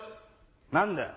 何だよ？